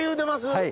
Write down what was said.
はい。